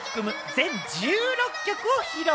全１６曲を披露。